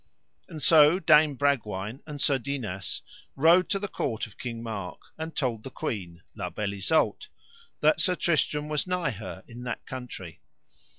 And so Dame Bragwaine and Sir Dinas rode to the court of King Mark, and told the queen, La Beale Isoud, that Sir Tristram was nigh her in that country.